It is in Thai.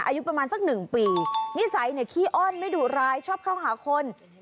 อายุประมาณสักหนึ่งปีนิสัยเนี่ยขี้อ้อนไม่ดุร้ายชอบเข้าหาคน